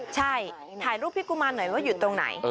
ใช่ถ่ายรูปพี่กุมารหน่อยว่าอยู่ตรงไหน